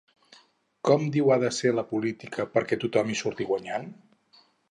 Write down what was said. Com diu ha de ser la política perquè tothom hi surti guanyant?